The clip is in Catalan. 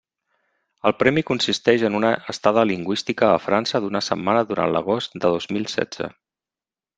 El premi consisteix en una estada lingüística a França d'una setmana durant l'agost de dos mil setze.